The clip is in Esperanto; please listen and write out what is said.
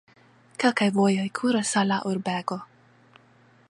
Kelkaj vojoj kuras al la urbego.